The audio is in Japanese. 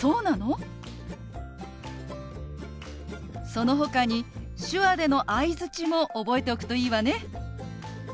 そのほかに手話での相づちも覚えておくといいわね。